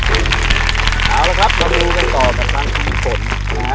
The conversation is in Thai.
เอาละครับเรามาดูกันต่อกับทางคุณฝนนะฮะ